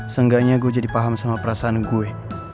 seenggaknya gue jadi paham sama perasaan gue